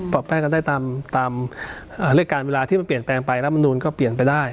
แป้งกันได้ตามเรื่องการเวลาที่มันเปลี่ยนแปลงไปรัฐมนูลก็เปลี่ยนไปได้